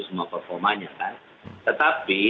semua performanya kan tetapi